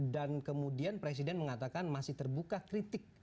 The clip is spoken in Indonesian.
dan kemudian presiden mengatakan masih terbuka kritik